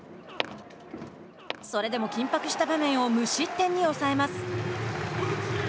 それでも緊迫した場面を無失点に抑えます。